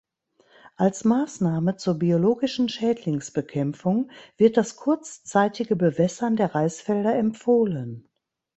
Als Maßnahme zur biologischen Schädlingsbekämpfung wird das kurzzeitige Bewässern der Reisfelder empfohlen.